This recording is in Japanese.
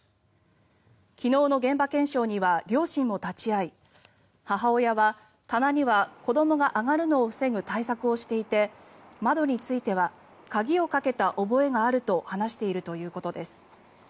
昨日の現場検証には両親も立ち会い母親は棚には子どもが上がるのを防ぐ対策をしていて窓については鍵をかけた覚えがあると話しているということです。